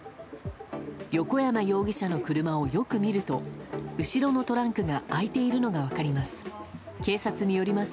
横山容疑者の車をよく見ると、後ろのトランクが開いているのが分かります。